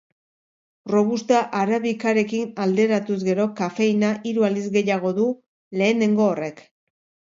Robusta arabikarekin alderatuz gero, kafeina hiru aldiz gehiago du lehenengo horrek.